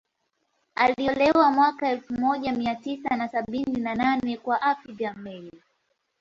Aliolewa mwaka wa elfu moja Mia tisa na sabini na nane kwa Hafidh Ameir